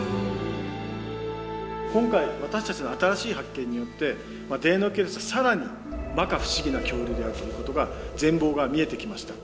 今回私たちの新しい発見によってデイノケイルスは更に摩訶不思議な恐竜であるということが全貌が見えてきました。